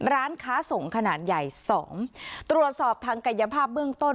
ร้านค้าส่งขนาดใหญ่สองตรวจสอบทางกายภาพเบื้องต้น